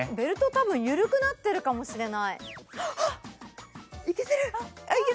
多分、緩くなっているかもしれない。